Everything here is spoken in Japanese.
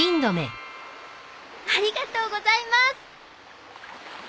ありがとうございます。